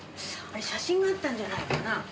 写真があったんじゃないかな。